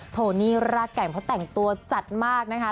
โทนี่รากแก่งเพราะแต่งตัวจัดมากนะคะ